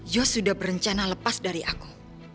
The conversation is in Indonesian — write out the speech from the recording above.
jos sudah berencana lepas dari aku